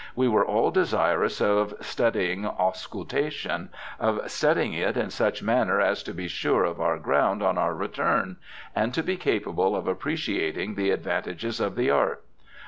We were all desirous of studying auscultation, of studying it in such a manner as to be sure of our ground on our return, and to be capable of appreciating the advantages of the art.